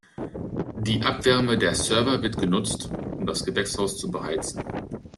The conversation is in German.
Die Abwärme der Server wird genutzt, um das Gewächshaus zu beheizen.